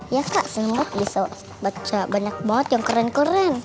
ya kak sembat bisa baca banyak banget yang keren keren